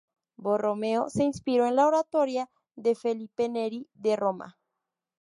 Borromeo se inspiró en el Oratorio de Felipe Neri de Roma.